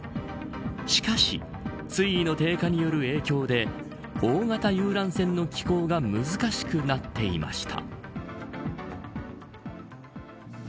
しかし、水位の低下による影響で大型遊覧船の寄港が難しくなっていました。